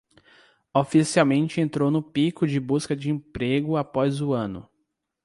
Oficialmente entrou no pico de busca de emprego após o ano